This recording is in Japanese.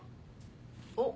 おっ。